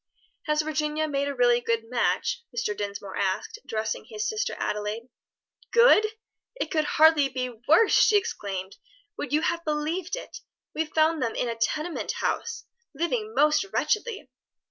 "Has Virginia made a really good match?" Mr. Dinsmore asked, addressing his sister Adelaide. "Good! it could hardly be worse!" she exclaimed. "Would you have believed it? we found them in a tenement house, living most wretchedly."